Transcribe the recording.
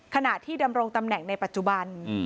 ขณะที่ดำรงตำแหน่งในปัจจุบัน